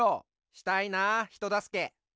したいなあひとだすけ。